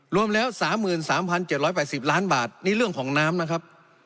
รวมแล้วสามหมื่นสามพันเจ็ดร้อยแปดสิบล้านบาทนี่เรื่องของน้ำนะครับ